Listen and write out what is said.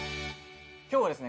今日はですね